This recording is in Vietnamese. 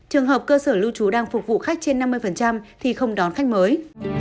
trường hợp cơ sở lưu trú đang phục vụ khách trên năm mươi thì không đón khách mới